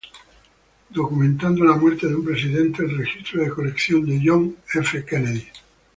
Documentando la muerte de un presidente: El registro de colección de John F. Kennedy